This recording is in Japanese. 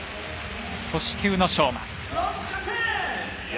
そして、宇野昌磨。